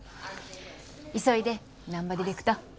急いで南波ディレクター。